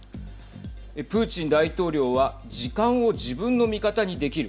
プーチン大統領は時間を自分の味方にできる。